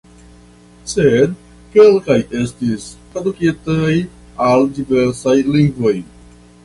Sed kelkaj estis tradukitaj al diversaj lingvoj.